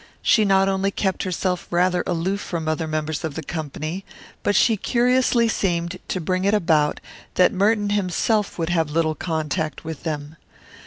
She not only kept herself rather aloof from other members of the company, but she curiously seemed to bring it about that Merton himself would have little contact with them.